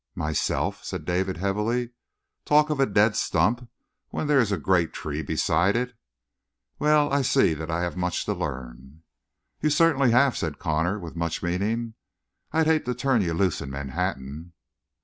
"Myself!" said David heavily. "Talk of a dead stump when there is a great tree beside it? Well, I see that I have much to learn." "You certainly have," said Connor with much meaning. "I'd hate to turn you loose in Manhattan."